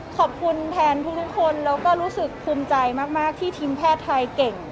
ขอบคุณแทนทุกคนแล้วก็รู้สึกภูมิใจมากที่ทีมแพทย์ไทยเก่ง